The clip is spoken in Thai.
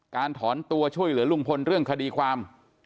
ถอนตัวช่วยเหลือลุงพลเรื่องคดีความ